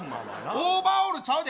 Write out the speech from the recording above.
オーバーオールちゃうで。